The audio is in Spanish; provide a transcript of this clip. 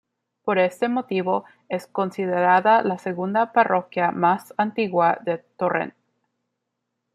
Por este motivo, es considerada la segunda parroquia más antigua de Torrent.